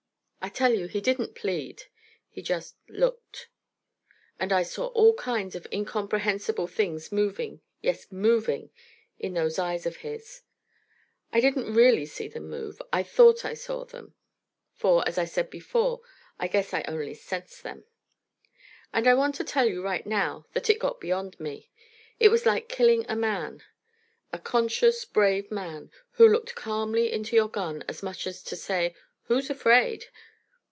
I tell you he didn't plead. He just looked. And I saw all kinds of incomprehensible things moving, yes, moving, in those eyes of his. I didn't really see them move; I thought I saw them, for, as I said before, I guess I only sensed them. And I want to tell you right now that it got beyond me. It was like killing a man, a conscious, brave man who looked calmly into your gun as much as to say, "Who's afraid?"